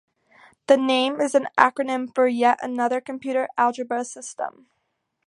The name is an acronym for "Yet Another Computer Algebra System".